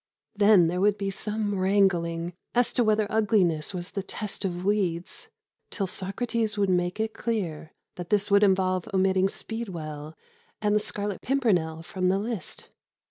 Then there would be some wrangling as to whether ugliness was the test of weeds, till Socrates would make it clear that this would involve omitting speedwell and the scarlet pimpernel from the list.